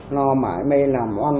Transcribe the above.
nó mãi mê làm on